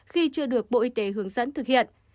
khi chưa được bộ y tế hướng dẫn thực hiện